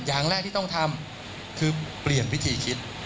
อย่างแรกที่ต้องทำคือเปลี่ยนพิธีคิด